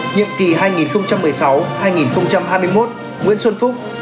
nhiệm kỳ hai nghìn một mươi sáu hai nghìn hai mươi một nguyễn xuân phúc